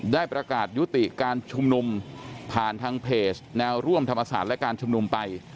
ได้ประกาศยุติการชุมนุมผ่านทางเพจแนวร่วมธรรมศาสตร์และการชุมนุมไป